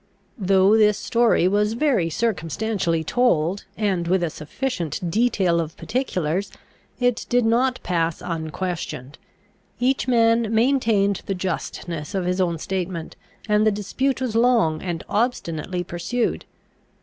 Though this story was very circumstantially told, and with a sufficient detail of particulars, it did not pass unquestioned. Each man maintained the justness of his own statement, and the dispute was long and obstinately pursued.